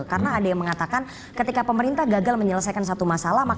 karena ada yang mengatakan ketika pemerintah gagal menyelesaikan satu masalah